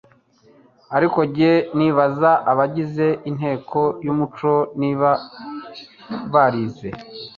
Ariko njye nibaza abagize inteko y'umuco niba barize